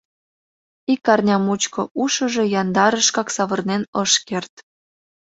Ик арня мучко ушыжо яндарышкак савырнен ыш керт.